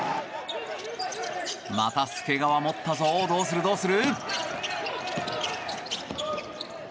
また、介川持ったぞどうする、どうする？